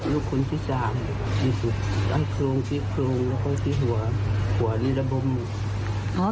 ลูกคุณที่สามที่สุดไอ้โครงที่โครงแล้วก็ที่หัวหัวนี่แล้วบ้ม